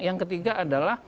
yang ketiga adalah